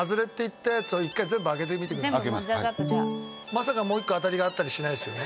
まさかもう１個あたりがあったりしないですよね？